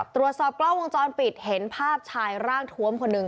ตรวจสอบกล้องวงจรปิดเห็นภาพชายร่างทวมคนหนึ่ง